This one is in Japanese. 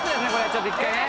ちょっと一回ね。